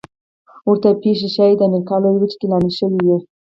ورته پېښې ښايي د امریکا لویه وچه کې لامل شوې وي.